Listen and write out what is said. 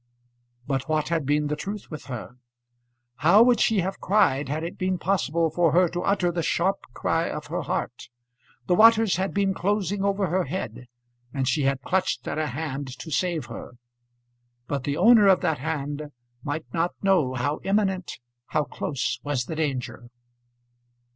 But what had been the truth with her? How would she have cried, had it been possible for her to utter the sharp cry of her heart? The waters had been closing over her head, and she had clutched at a hand to save her; but the owner of that hand might not know how imminent, how close was the danger.